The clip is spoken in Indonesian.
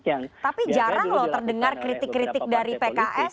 tapi jarang loh terdengar kritik kritik dari pks